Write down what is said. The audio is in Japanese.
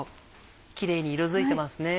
キレイに色づいてますね。